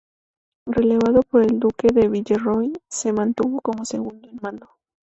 Relevado por el Duque de Villeroy se mantuvo como segundo en mando.